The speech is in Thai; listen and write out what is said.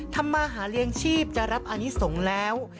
ทำมาหาเลี้ยงชีพจะรับอนิสงฆ์แล้ว